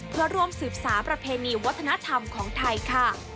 เพื่อร่วมสืบสารประเพณีวัฒนธรรมของไทยค่ะ